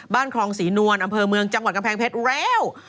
คลองศรีนวลอำเภอเมืองจังหวัดกำแพงเพชรรู้แล้ว